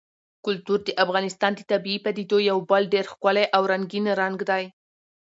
کلتور د افغانستان د طبیعي پدیدو یو بل ډېر ښکلی او رنګین رنګ دی.